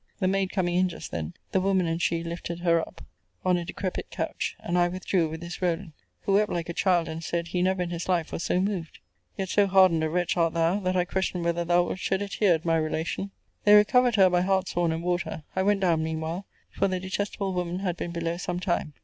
The maid coming in just then, the woman and she lifted her up on a decrepit couch; and I withdrew with this Rowland; who wept like a child, and said, he never in his life was so moved. Yet so hardened a wretch art thou, that I question whether thou wilt shed a tear at my relation. They recovered her by hartshorn and water. I went down mean while; for the detestable woman had been below some time.